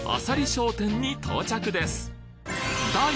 商店に到着です